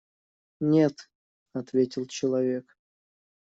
Нет, – ответил человек.